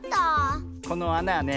このあなはね